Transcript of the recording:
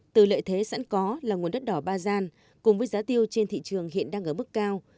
từ lợi thế sẵn có là nguồn đất đỏ ba gian cùng với giá tiêu trên thị trường hiện đang ở mức cao